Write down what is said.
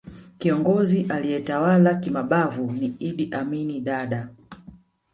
kiongozi aliyetawala kimabavu ni idd amin dada